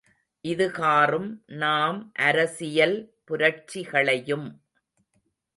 இதுகாறும் நாம் அரசியல் புரட்சிகளையும்.